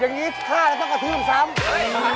อย่างนี้ฆ่าแล้วก็ขาดชื้นลงซ้ำ